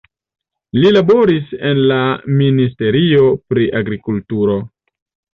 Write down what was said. Li laboris en la Ministerio pri Agrikulturo.